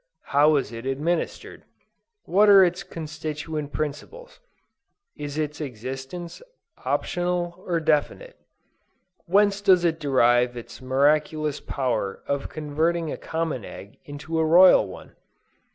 How is it administered? What are its constituent principles? Is its existence optional or definite? Whence does it derive its miraculous power of converting a common egg into a royal one?